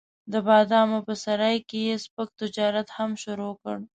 د بادامو په سرای کې یې سپک تجارت هم شروع کړ.